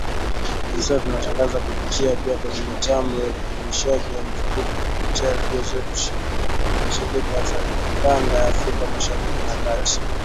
Hivi sasa tunatangaza kupitia pia kwenye mitambo ya Urekebishaji wa Mzunguko kupitia redio zetu shirika za kanda ya Afrika Mashariki na Kati.